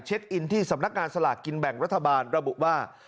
อินที่สำนักงานสลากกินแบ่งรัฐบาลระบุว่า